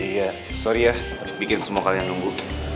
iya sorry ya bikin semua kalian nunggu